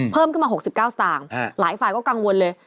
เพิ่มขึ้นมา๖๙สตางค์หลายฝ่ายก็กังวลเลย